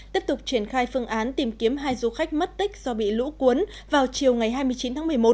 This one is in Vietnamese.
tiếp tục triển khai phương án tìm kiếm hai du khách mất tích do bị lũ cuốn vào chiều ngày hai mươi chín tháng một mươi một